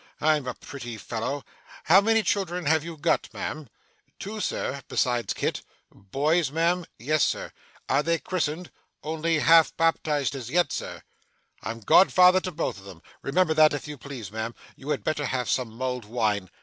I'm a pretty fellow! How many children have you got, ma'am?' 'Two, sir, besides Kit.' 'Boys, ma'am?' 'Yes, sir.' 'Are they christened?' 'Only half baptised as yet, sir.' 'I'm godfather to both of 'em. Remember that, if you please, ma'am. You had better have some mulled wine.